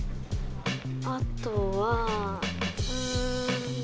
あとはうん。